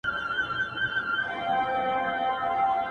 خزانې په کنډوالو کي پيدا کېږي.